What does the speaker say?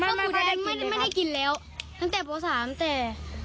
เพราะข้าวหมูแดงไม่ได้กินแล้วตั้งแต่โปรสารตั้งแต่